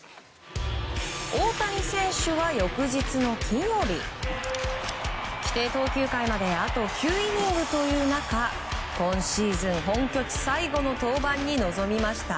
大谷選手は翌日の金曜日規定投球回まであと９イニングという中今シーズン本拠地最後の登板に臨みました。